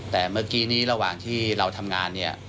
แต่เมื่อกี้นี้ระหว่างที่เราทำงานเนี่ย